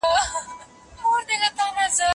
چې دې زما په ژوندانۀ راته قسم کړی وۀ